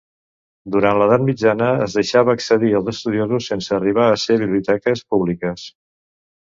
Durant l'Edat Mitjana es deixava accedir als estudiosos sense arribar a ser biblioteques públiques.